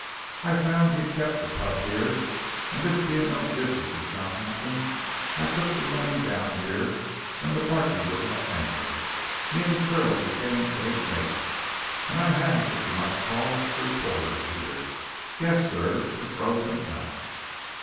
I found he kep' the pub here, and this bein' no distance from Southampton I took to runnin' down here when the barkey was at anchor. Me an' Krill became great mates, and I'd what you might call free quarters here yes, sir it's a frozen fact."